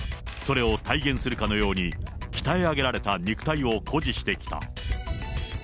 それを体現するかのように、鍛え上げられた肉体を誇示してきた。